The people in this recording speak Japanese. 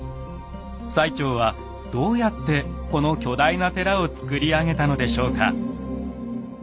最澄はどうやってこの巨大な寺をつくり上げたのでしょうか？